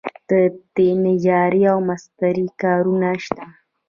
د نجارۍ او مسترۍ کارونه شته؟